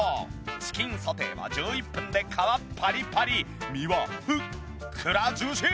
チキンソテーは１１分で皮パリッパリ身はふっくらジューシー！